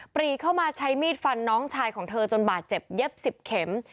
ปรีเข้ามาใช้มีดฟันน้องชายของเธอจนบาดเจ็บเย็บ๑๐เข็ม